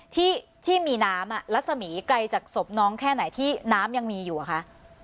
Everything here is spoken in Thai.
ที่มีน้ำรัศมีร์ไกลจากศพน้องแค่ไหนที่น้ำยังมีอยู่อะคะ